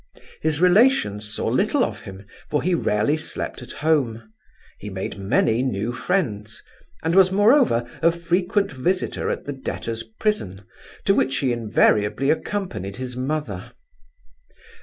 His relations saw little of him, for he rarely slept at home. He made many new friends; and was moreover, a frequent visitor at the debtor's prison, to which he invariably accompanied his mother.